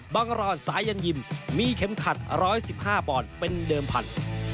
รอนสายันยิมมีเข็มขัด๑๑๕ปอนด์เป็นเดิมพันธุ์